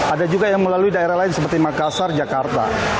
ada juga yang melalui daerah lain seperti makassar jakarta